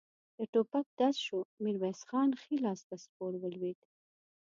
د ټوپک ډز شو، د ميرويس خان ښی لاس ته سپور ولوېد.